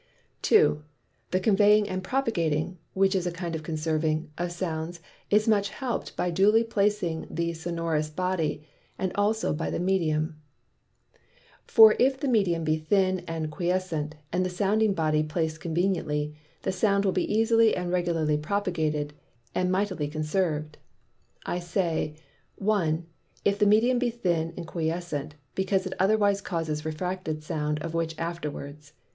2. The Conveying and Propagating (which is a kind of Conserving) of Sounds, is much help'd by duly placing the Sonorous Body, and also by the Medium. For if the Medium be Thin and Quiescent, and the Sounding Body plac'd conveniently, the Sound will be easily and regularly propagated, and mightily conserv'd. I say, 1. If the Medium be Thin and Quiescent, because it otherwise causes a Refracted Sound, of which afterwards.